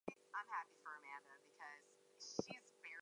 He also owns his own production company Satin City.